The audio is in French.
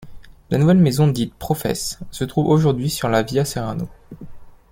La nouvelle maison dite ‘professe’ se trouve aujourd’hui sur la ‘via Serrano’.